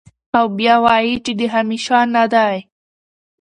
او بيا وائې چې د همېشه نۀ دے